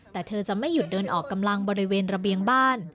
แต่เธอจะไม่หยุดเดินออกกำลังบริเวณระเบียงบ้าน